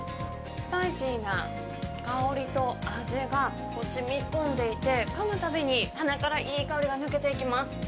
スパイシーな香りと味がしみこんでいて、かむたびに鼻からいい香りが抜けていきます。